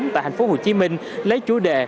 tại thành phố hồ chí minh lấy chủ đề